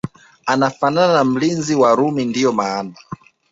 anafanana na mlinzi wa Rumi ndio maana